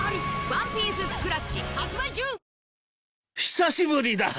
久しぶりだ。